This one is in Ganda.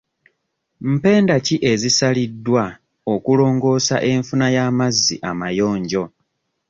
Mpenda ki ezisaliddwa okulongoosa enfuna y'amazzi amayonjo?